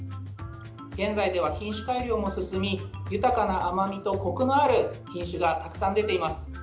現在では、品種改良も進み豊かな甘みとコクのある品種がたくさん出ています。